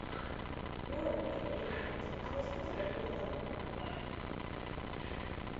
მეორე მხრივ, მარიჩს არასდროს არაფერი გამოუქვეყნებია.